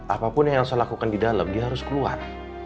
apapun yang saya lakukan di dalam dia harus keluar